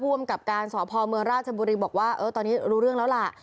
ผู้บำกับการสพมราชบุรีบอกว่าเออตอนนี้รู้เรื่องแล้วล่ะ